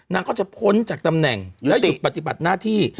นางก็จะพ้นจากตำแหน่งและหยุดปฏิบัติหน้าที่